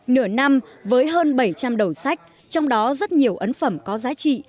nửa năm với hơn bảy trăm linh đầu sách trong đó rất nhiều ấn phẩm có giá trị